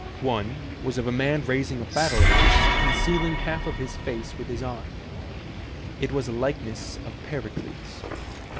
One was of a man raising a battle axe, concealing half of his face with his arm. It was a likeness of Pericles.